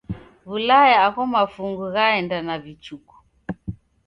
W'ulaya agho mafungu ghaenda na vichuku.